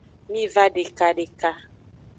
Miva deka deka.